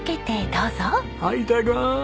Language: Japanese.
はいいただきます！